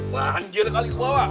wah hancur kali kebawa